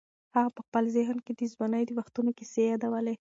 هغه په خپل ذهن کې د ځوانۍ د وختونو کیسې یادولې.